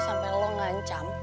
sampai lu ngancam